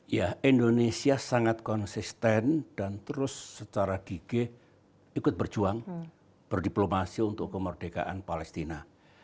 ya indonesia sangat konsisten dan terus secara gigih ikut berjuang berdiplomasi untuk kemerdekaan palestina